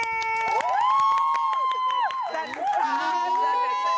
จันทราจันทราจันทราจันทรา